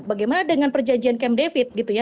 bagaimana dengan perjanjian camp david